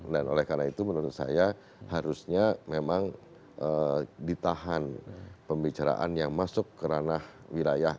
dan oleh karena itu menurut saya harusnya memang ditahan pembicaraan yang masuk ke ranah wilayah